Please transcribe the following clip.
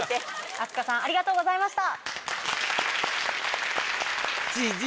あすかさんありがとうございました。